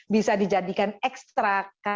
bisa dijadikan ekstrak